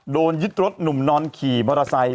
โดนยึดรถหนุ่มนอนขี่มอเตอร์ไซค์